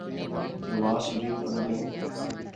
نوازشریف اندر ہیں۔